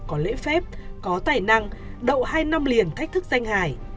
có lễ phép có tài năng đậu hai năm liền thách thức danh hải